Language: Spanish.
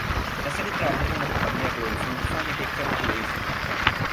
La serie trabajó con la compañía de producción "Sony Pictures Television".